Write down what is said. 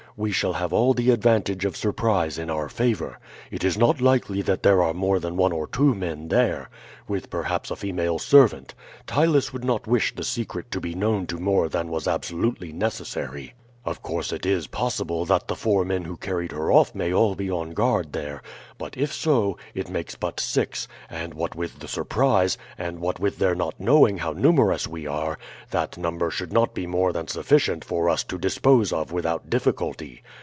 We shall have all the advantage of surprise in our favor. It is not likely that there are more than one or two men there, with perhaps a female servant. Ptylus would not wish the secret to be known to more than was absolutely necessary. Of course it is possible that the four men who carried her off may all be on guard there, but if so, it makes but six; and what with the surprise, and what with their not knowing how numerous we are, that number should not be more than sufficient for us to dispose of without difficulty.